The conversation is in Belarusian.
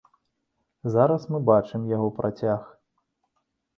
Зараз мы бачым яго працяг.